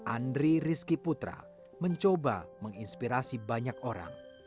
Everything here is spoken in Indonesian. andri rizki putra mencoba menginspirasi banyak orang